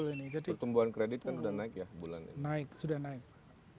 pertumbuhan kredit kan sudah naik ya